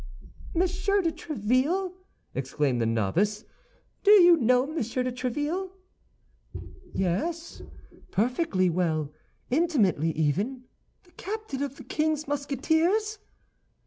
"Monsieur de Tréville!" exclaimed the novice, "do you know Monsieur de Tréville?" "Yes, perfectly well—intimately even." "The captain of the king's Musketeers?"